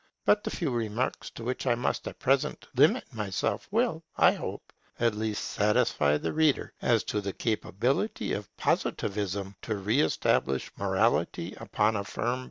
But the few remarks to which I must at present limit myself, will, I hope, at least satisfy the reader as to the capability of Positivism to re establish morality upon a firm basis.